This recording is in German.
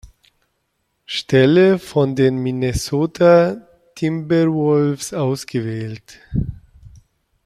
Stelle von den Minnesota Timberwolves ausgewählt.